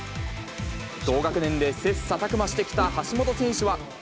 同学年で切さたく磨してきた橋本選手は。